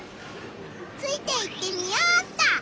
ついていってみようっと！